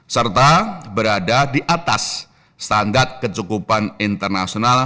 serta berada di atas standar kecukupan internasional